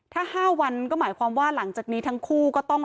ถ้า๕วันก็หมายความว่าหลังจากนี้ทั้งคู่ก็ต้อง